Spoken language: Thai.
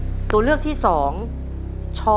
คุณยายแจ้วเลือกตอบจังหวัดนครราชสีมานะครับ